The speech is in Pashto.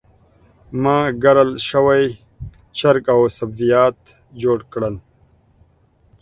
ما ګرل شوي چرګ او سبزیجات جوړ کړل.